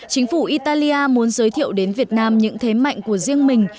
chính phủ italia muốn giới thiệu đến việt nam những thế mạnh của riêng mình